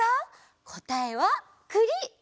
こたえはくり！